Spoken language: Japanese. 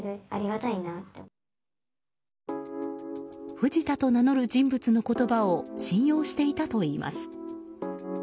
藤田と名乗る人物の言葉を信用していたといいます。